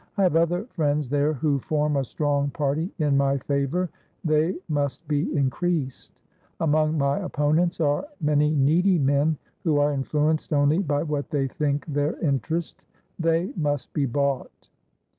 I have other friends there who form a strong party in my favor. They must be increased! Among my opponents are many needy men who are influenced only by what they think their interest; they must be bought!